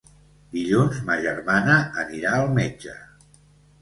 Dilluns ma germana anirà al metge.